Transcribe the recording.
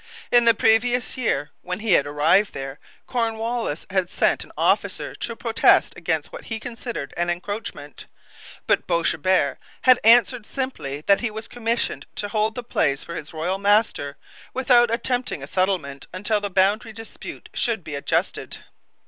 In the previous year, when he had arrived there, Cornwallis had sent an officer to protest against what he considered an encroachment; but Boishebert had answered simply that he was commissioned to hold the place for his royal master without attempting a settlement until the boundary dispute should be adjusted.